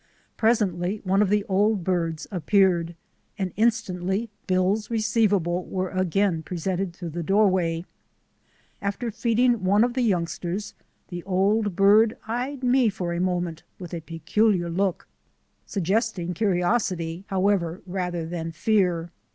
Presently one of the old birds appeared, and instantly bills receivable were again presented through the doorway. After feeding one of the youngsters the old bird eyed me for a moment with a peculiar look — suggesting curiosity, how ever, rather than fear.